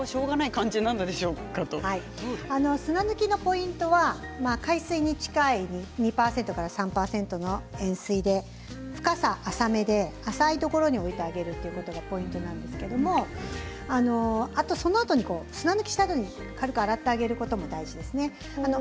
砂抜きのポイントは海水に近い２％から３％の塩水で深さ浅めで浅いところに置いてあげるということがポイントなんですけれどそのあとに砂抜きしたあと軽く洗ってあげることも大事ですね。